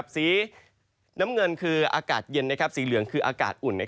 สีน้ำเงินคืออากาศเย็นสีเหลืองคืออากาศอุ่น